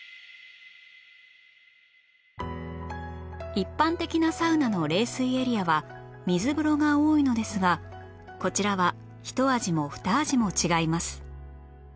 一般的なサウナの冷水エリアは水風呂が多いのですがこちらはひと味もふた味も違います